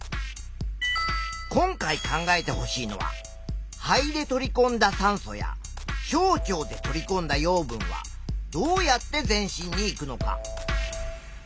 今回考えてほしいのは「肺で取りこんだ酸素や小腸で取りこんだ養分はどうやって全身にいくのか」。